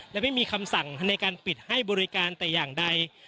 และไม่มีคำสั่งในการปิดให้บริการแต่อย่างใด